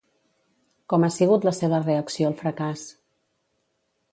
Com ha sigut la seva reacció al fracàs?